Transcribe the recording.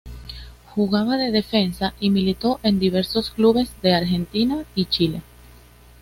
Jugaba de defensa y militó en diversos clubes de Argentina y Chile.